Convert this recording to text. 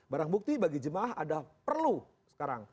barang bukti bagi jemaah ada perlu sekarang